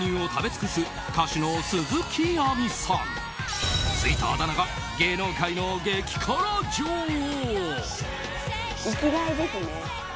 ついたあだ名が芸能界の激辛女王。